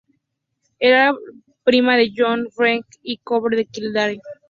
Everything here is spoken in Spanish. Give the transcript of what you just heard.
Era prima de John FitzGerald, I conde de Kildare.